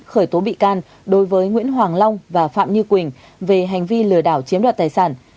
khởi tố bị can đối với nguyễn hoàng long và phạm như quỳnh về hành vi lừa đảo chiếm đoạt tài sản